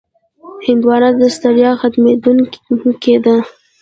هندوانه د ستړیا ختموونکې ده.